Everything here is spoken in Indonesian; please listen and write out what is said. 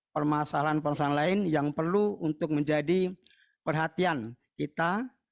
permasalahan permasalahan lain yang perlu untuk menjadi perhatian kita